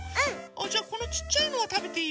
あっじゃこのちっちゃいのはたべていい？